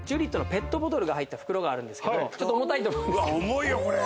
重いよこれ。